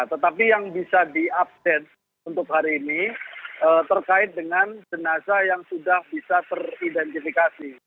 tetapi yang bisa diupdate untuk hari ini terkait dengan jenazah yang sudah bisa teridentifikasi